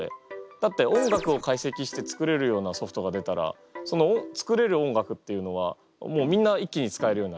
だって音楽を解析して作れるようなソフトが出たらその作れる音楽っていうのはみんな一気に使えるようになるじゃん？